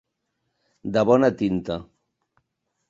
De bona tinta.